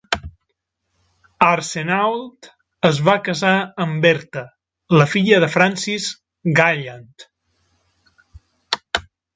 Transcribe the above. Arsenault es va casar amb Bertha, la filla de Francis Gallant.